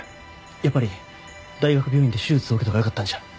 やっぱり大学病院で手術を受けたほうがよかったんじゃ。